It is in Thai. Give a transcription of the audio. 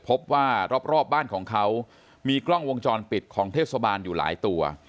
พบว่ารอบบ้านของเขามีกล้องวงจรปิดของเทศบาลอยู่หลายตัว